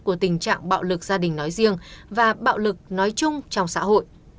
của tình trạng bạo lực gia đình nói riêng và bạo lực nói chung trong xã hội